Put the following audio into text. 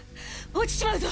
落ちちまうぞ！